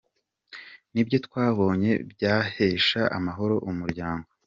Ni byo twabonye byahesha amahoro umuryango.